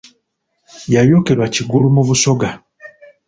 Yayokerwa Kigulu mu Busoga.